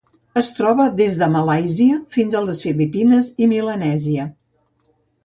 Es troba des de Malàisia fins a les Filipines i Melanèsia.